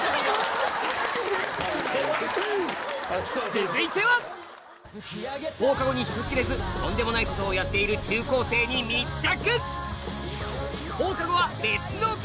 続いては放課後に人知れずとんでもないことをやっている中高生に密着！